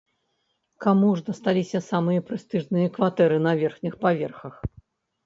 Каму ж дасталіся самыя прэстыжныя кватэры на верхніх паверхах?